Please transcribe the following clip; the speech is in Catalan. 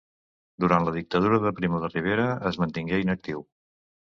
Durant la dictadura de Primo de Rivera es mantingué inactiu.